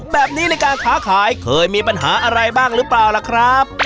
แบบนี้ในการค้าขายเคยมีปัญหาอะไรบ้างหรือเปล่าล่ะครับ